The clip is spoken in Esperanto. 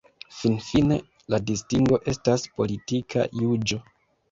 Finfine, la distingo estas politika juĝo.